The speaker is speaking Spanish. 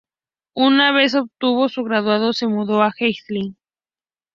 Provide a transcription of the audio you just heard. Una vez obtuvo su graduado se mudó a Helsinki.